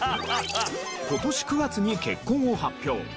今年９月に結婚を発表。